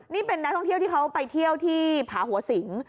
นี่เป็นนักท่องเที่ยวที่เขาไปเที่ยวที่ผาหัวสิง